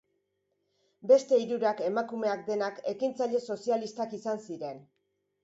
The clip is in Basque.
Beste hirurak, emakumeak denak, ekintzaile sozialistak izan ziren.